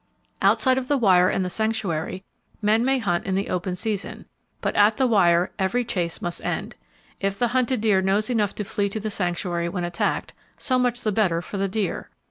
Outside of the wire and the sanctuary, men may hunt in the open season, but at the wire every chase must end. If the hunted deer knows enough to flee to the sanctuary when attacked, so much the better for the deer.